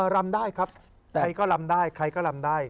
รำได้ครับใครก็ลำได้ใครก็ลำได้